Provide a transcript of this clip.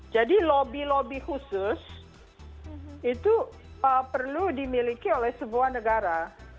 lobby lobby khusus itu perlu dimiliki oleh sebuah negara